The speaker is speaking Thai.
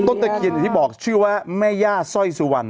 ต้นเตคียนที่บอกชื่อว่าแม่ย่าซ่อยสุหวัณ